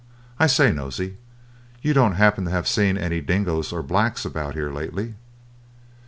I say, Nosey, you don't happen to have seen any dingoes or blacks about here lately?"